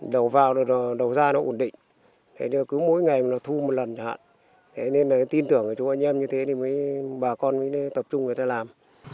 đầu vào đầu ra nó ổn định cứ mỗi ngày nó thu một lần chẳng hạn nên tin tưởng của chúng anh em như thế thì bà con mới tập trung người ta làm